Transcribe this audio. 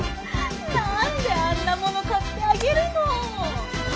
何であんなもの買ってあげるの！